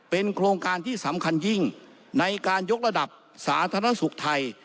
เป็นโครงการที่สำคัญยิ่งในการยกระดับสาธารณสุขไทย